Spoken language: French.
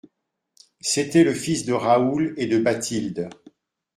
C'était le fils de Raoul et de Bathilde.